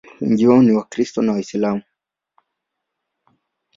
Wengi wao ni Wakristo na Waislamu.